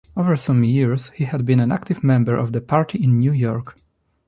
Over some years, he had been an active member of the party in New York.